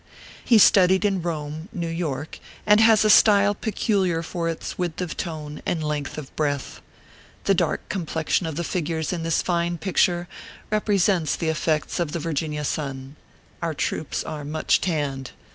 He studied in Rome (New York), and has a style peculiar for its width of tone and length of breath. The dark complexion of the ORPHEUS C. KERR PAPERS. 157 figures in this fine picture represents the effects of the Virginia sun. Our troops are much tanned.